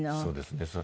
そうですね。